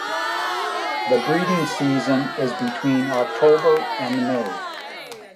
The breeding season is between October and May.